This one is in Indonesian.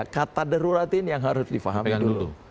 kata darurat ini yang harus difahami dulu